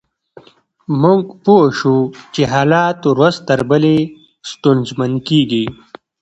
موږ پوه شوو چې حالات ورځ تر بلې ستونزمن کیږي